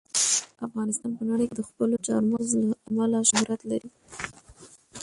افغانستان په نړۍ کې د خپلو چار مغز له امله شهرت لري.